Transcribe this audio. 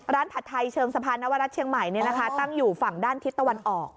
ผัดไทยเชิงสะพานนวรัฐเชียงใหม่ตั้งอยู่ฝั่งด้านทิศตะวันออก